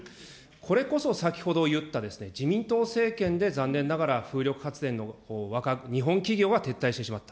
これこそ先ほど言った自民党政権で残念ながら風力発電の、日本企業は撤退してしまった。